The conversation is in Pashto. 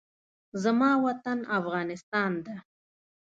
زما وطن افغانستان ده